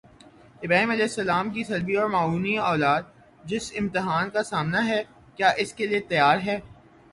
ابراہیمؑ کی صلبی اور معنوی اولاد، جسے امتحان کا سامنا ہے، کیا اس کے لیے تیار ہے؟